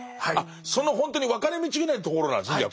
そのほんとに分かれ道ぐらいのところなんですね